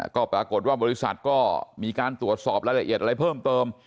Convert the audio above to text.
ก็ปรากฏว่าบริษัทก็มีการตรวจสอบรายละเอียดอะไรเพิ่มเติม